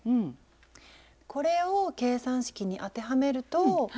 これを計算式に当てはめると。